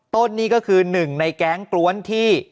ต้นนี่ก็คือหนึ่งในแก๊งกล้วนที่